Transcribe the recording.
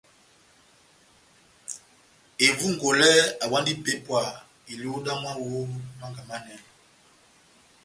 Evongole awandi ipépwa iluhu damu awi ó Mánga Manɛnɛ.